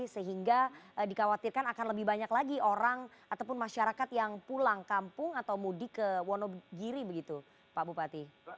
sehingga dikhawatirkan akan lebih banyak lagi orang ataupun masyarakat yang pulang kampung atau mudik ke wonogiri begitu pak bupati